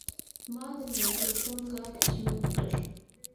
ما د مایکروفون غږ ټیون کړ.